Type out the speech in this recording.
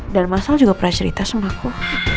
dan mas al juga prajeritas sama aku